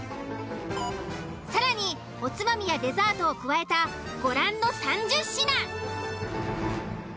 更におつまみやデザートを加えたご覧の３０品。